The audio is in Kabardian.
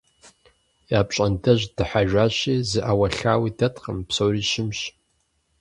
Я пщӀантӀэжь дыхьэжащи зы Ӏэуэлъауи дэткъым, псори щымщ.